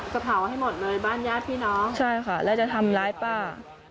เผาให้หมดเลยบ้านญาติพี่น้องใช่ค่ะแล้วจะทำร้ายป้า